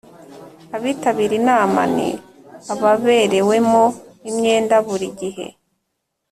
Abitabira inama ni ababerewemo imyenda buri gihe